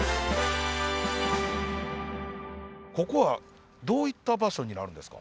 ここはどういった場所になるんですか？